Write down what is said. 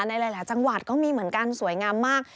ในหลายจังหวัดก็มีเหมือนกันสวยงามมาก